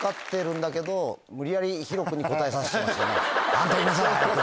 「あんた言いなさい早く」。